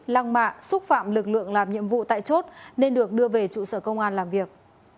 lăng mạ xúc phạm lực lượng làm nhiệm vụ tại chốt nên được đưa về trụ sở công an làm việc